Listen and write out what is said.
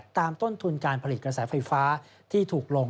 ต้นทุนการผลิตกระแสไฟฟ้าที่ถูกลง